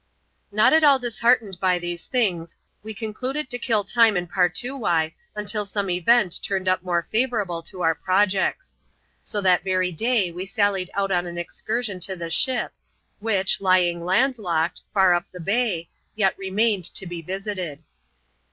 Not at all disheartened by these things, we concluded to kill time in Partoowye, until some event turned up more favourable to our projects. So that very day we sallied out on an excur sion to the ship, which, lying land locked, far up the bay, yet remained to be visited.